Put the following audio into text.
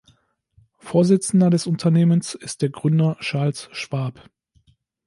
Vorsitzender des Unternehmens ist der Gründer Charles Schwab.